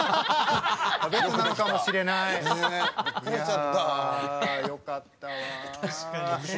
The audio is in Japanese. いやよかったわ。